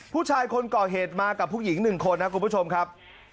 ผู้ชายคนก่อเหตุมากับผู้หญิง๑คนนะครับคุณผู้ชมครับ